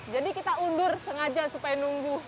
jadi kita undur sengaja supaya nunggu